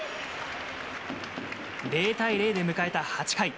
０対０で迎えた８回。